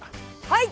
はい！